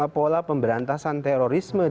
pola pemberantasan terorisme di negara